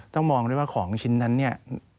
ต้องมองด้วยว่าของชิ้นนั้นเนี่ย